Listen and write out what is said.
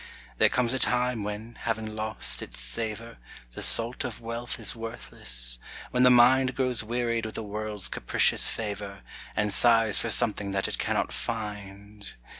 There comes a time, when, having lost its savor, The salt of wealth is worthless; when the mind Grows wearied with the world's capricious favor, And sighs for something that it cannot find.